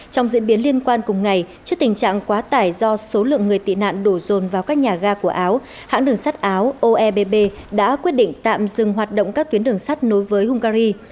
trong diễn biến liên quan cùng ngày trước tình trạng quá tải do số lượng người tị nạn đổ dồn vào các nhà ga của áo hãng đường sắt áo oebb đã quyết định tạm dừng hoạt động các tuyến đường sắt nối với hungary